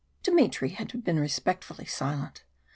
Dmitry had been respectfully silent.